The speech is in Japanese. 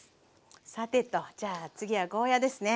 さてとじゃあ次はゴーヤーですね。